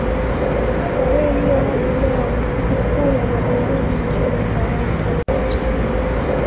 Tarehe hiyo hadi leo ni sikukuu ya mapinduzi nchini Ufaransa.